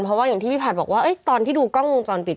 เพราะว่าอย่างที่พี่ผัดบอกว่าตอนที่ดูกล้องวงจรปิด